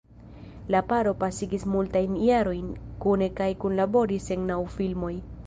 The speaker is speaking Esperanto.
La paro pasigis multajn jarojn kune kaj kunlaboris en naŭ filmoj.